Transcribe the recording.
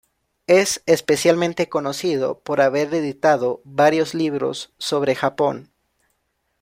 Es especialmente conocido por haber editado varios libros sobre Japón.